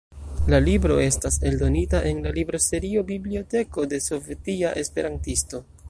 La libro estas eldonita en la libroserio "Biblioteko de Sovetia Esperantisto"